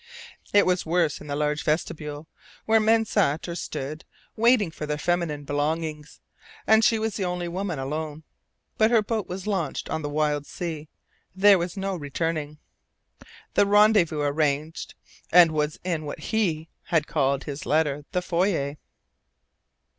It was worse in the large vestibule, where men sat or stood, waiting for their feminine belongings; and she was the only woman alone. But her boat was launched on the wild sea. There was no returning. The rendezvous arranged was in what he had called in his letter "the foyer."